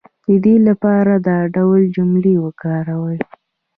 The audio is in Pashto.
د دې لپاره دا ډول جملې وکاروئ